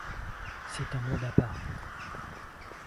C’est un monde à part.